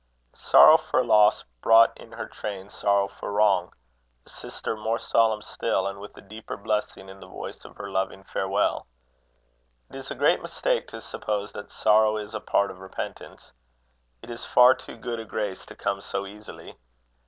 Sorrow for loss brought in her train sorrow for wrong a sister more solemn still, and with a deeper blessing in the voice of her loving farewell. It is a great mistake to suppose that sorrow is a part of repentance. It is far too good a grace to come so easily.